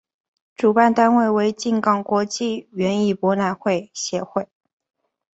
主办单位为静冈国际园艺博览会协会。